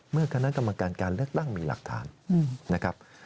เมื่อคณะกรรมการการเลือกตั้งมีหลักฐานนะครับ